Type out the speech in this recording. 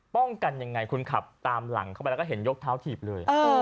ยังไงคุณขับตามหลังเข้าไปแล้วก็เห็นยกเท้าถีบเลย